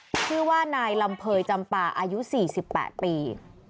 ชื่อว่านายลำเภยจำป่าอายุ๔๘ปี